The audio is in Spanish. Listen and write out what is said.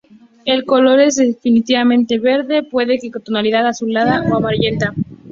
El color es distintivamente verde, puede que con tonalidad azulada o amarillenta.